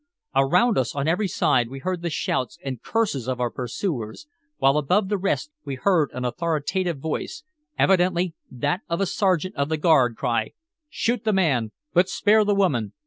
Around us on every side we heard the shouts and curses of our pursuers, while above the rest we heard an authoritative voice, evidently that of a sergeant of the guard, cry "Shoot the man, but spare the woman!